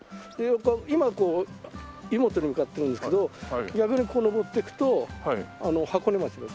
今こう湯本に向かっているんですけど逆にここを登っていくと箱根町です。